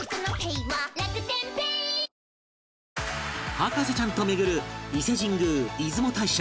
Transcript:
博士ちゃんと巡る伊勢神宮出雲大社